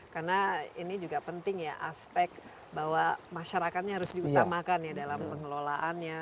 karena ini juga penting ya aspek bahwa masyarakatnya harus diutamakan ya dalam pengelolaannya